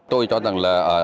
tôi cho rằng là